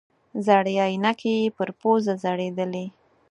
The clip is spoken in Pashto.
زړې عینکې یې پر پوزه ځړېدلې.